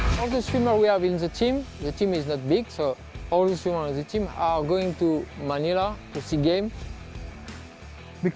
semua pesawat di tim ini tim ini tidak besar jadi semua pesawat di tim ini akan ke manila untuk melihat permainan